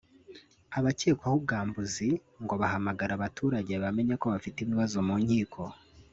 Abakekwaho ubwambuzi ngo bahamagaraga abaturage bamenye ko bafite ibibazo mu nkiko